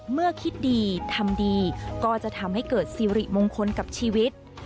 เมื่อคิดดีทำดีก็จะทำให้เกิดสิริมงคลกับชีวิต